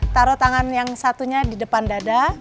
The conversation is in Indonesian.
taruh tangan yang satunya di depan dada